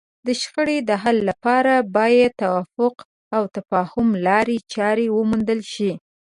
د شخړو د حل لپاره باید د توافق او تفاهم لارې چارې وموندل شي.